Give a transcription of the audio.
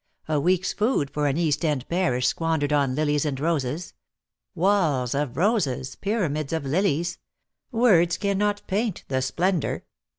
A week's food for an East End parish squandered on lilies and roses. Walls of roses, pyramids of lilies; words cannot paint the splendour."